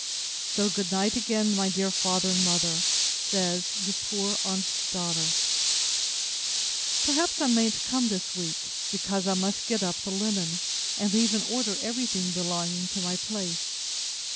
So good night again, my dear father and mother, says Your poor honest DAUGHTER. Perhaps I mayn't come this week, because I must get up the linen, and leave in order every thing belonging to my place.